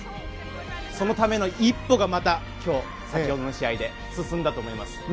そのための一歩がまた今日、先ほどの試合で進んだと思います。